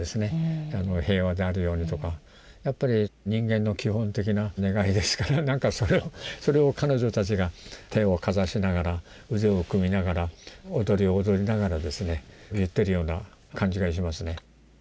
平和であるようにとかやっぱり人間の基本的な願いですからなんかそれを彼女たちが手をかざしながら腕を組みながら踊りを踊りながらですね言ってるような感じがしますね。